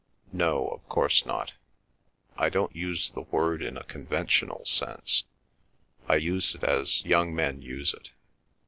No, of course not. I don't use the word in a conventional sense. I use it as young men use it.